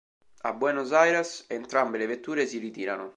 A Buenos Aires entrambe le vetture si ritirano.